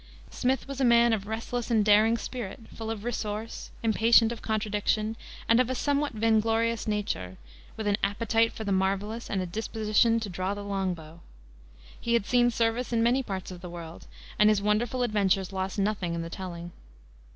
Smith was a man of a restless and daring spirit, full of resource, impatient of contradiction, and of a somewhat vainglorious nature, with an appetite for the marvelous and a disposition to draw the long bow. He had seen service in many parts of the world, and his wonderful adventures lost nothing in the telling.